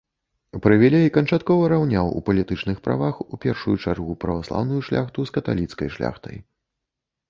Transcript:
Прывілей канчаткова раўняў ў палітычных правах у першую чаргу праваслаўную шляхту з каталіцкай шляхтай.